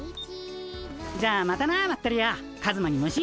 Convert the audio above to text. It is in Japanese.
じゃあまたなまったり屋カズマに虫。